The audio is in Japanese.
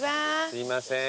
すいません。